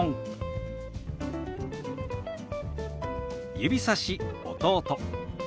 「指さし弟」。